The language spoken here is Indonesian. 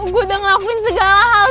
gue udah ngelakuin segala hal